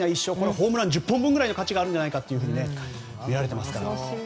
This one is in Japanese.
ホームラン１０本くらいの価値があるんじゃないかといわれていますからね。